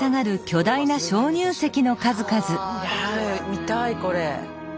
見たいこれ。